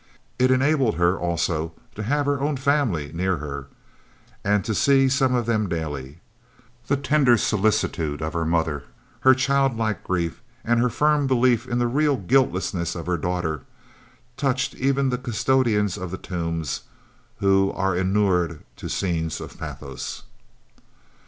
It enabled her also to have her own family near her, and to see some of them daily. The tender solicitude of her mother, her childlike grief, and her firm belief in the real guiltlessness of her daughter, touched even the custodians of the Tombs who are enured to scenes of pathos.